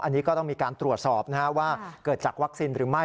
อันนี้ก็ต้องมีการตรวจสอบว่าเกิดจากวัคซีนหรือไม่